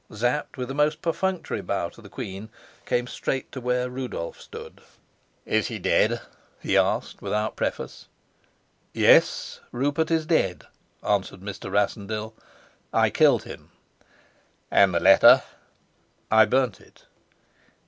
Sapt, with a most perfunctory bow to the queen, came straight to where Rudolf stood. "Is he dead?" he asked, without preface. "Yes, Rupert is dead," answered Mr. Rassendyll: "I killed him." "And the letter?" "I burnt it."